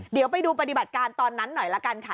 เดี๋ยวไปดูปฏิบัติการตอนนั้นหน่อยละกันค่ะ